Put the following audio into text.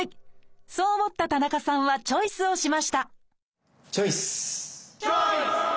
そう思った田中さんはチョイスをしましたチョイス！